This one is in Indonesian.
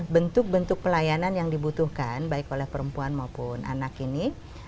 bentuk bentuk pelayanan yang dibutuhkan baik oleh perempuan maupun anak ini